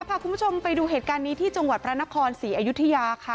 พาคุณผู้ชมไปดูเหตุการณ์นี้ที่จังหวัดพระนครศรีอยุธยาค่ะ